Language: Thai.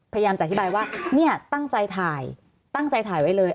พยายามจะอธิบายว่าเนี่ยตั้งใจถ่ายตั้งใจถ่ายไว้เลย